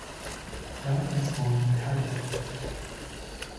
Dodd was born in Cardiff.